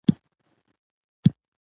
که لنډیز وي نو لوستل نه درندیږي.